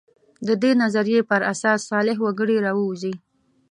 د دې نظریې پر اساس صالح وګړي راووځي.